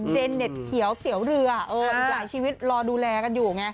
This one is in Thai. เน็ตเขียวเตี๋ยวเรืออีกหลายชีวิตรอดูแลกันอยู่ไง